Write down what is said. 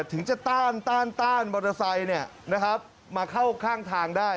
ถึงจะต้านมอเตอร์ไซค์เนี่ยนะครับมาเข้าข้างทางได้